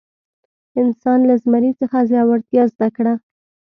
انسان له زمري څخه زړورتیا زده کړه.